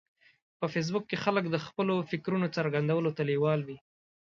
په فېسبوک کې خلک د خپلو فکرونو څرګندولو ته لیوال وي